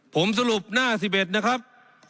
ผมสรุปหน้าสิบเอ็ดนะครับ